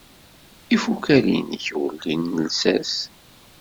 Ifukal-nnek ur lin llsas.